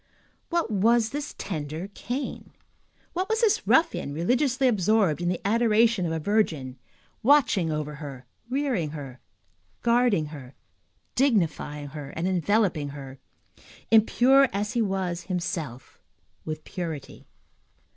What was this tender Cain? What was this ruffian religiously absorbed in the adoration of a virgin, watching over her, rearing her, guarding her, dignifying her, and enveloping her, impure as he was himself, with purity?